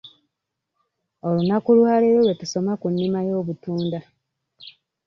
Olunaku lwaleero lwe tusoma ku nnima y'obutunda.